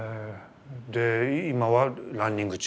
で今はランニング中？